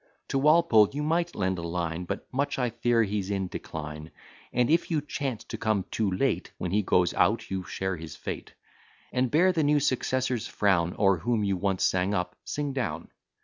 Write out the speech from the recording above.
To Walpole you might lend a line, But much I fear he's in decline; And if you chance to come too late, When he goes out, you share his fate, And bear the new successor's frown; Or, whom you once sang up, sing down.